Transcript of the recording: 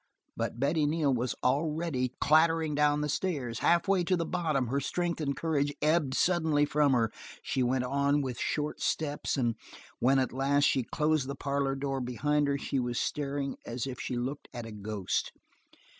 But Betty Neal was already clattering down the stairs. Half way to the bottom her strength and courage ebbed suddenly from her; she went on with short steps, and when at last she closed the parlor door behind her, she was staring as if she looked at a ghost.